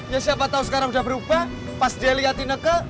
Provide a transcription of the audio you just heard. ya siapa tau sekarang udah berubah pas dia liatin ineke